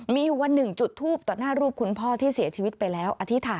มีวัน๑จุดทูปต่อหน้ารูปคุณพ่อที่เสียชีวิตไปแล้ว